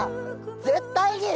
絶対に！